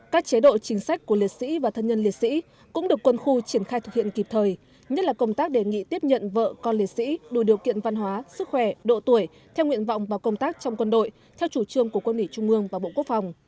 các chế độ chính sách của liệt sĩ và thân nhân liệt sĩ cũng được quân khu triển khai thực hiện kịp thời nhất là công tác đề nghị tiếp nhận vợ con liệt sĩ đủ điều kiện văn hóa sức khỏe độ tuổi theo nguyện vọng và công tác trong quân đội theo chủ trương của quân ủy trung ương và bộ quốc phòng